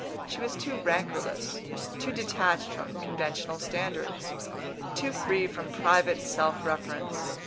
She was too rancourless, too detached from conventional standards, too free from private self reference.